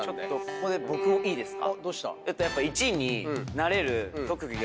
ここで僕もいいですか。